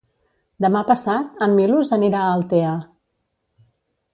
Demà passat en Milos anirà a Altea.